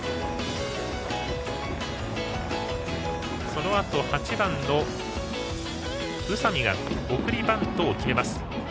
そのあと、８番の宇佐見が送りバントを決めます。